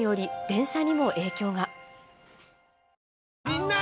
みんな！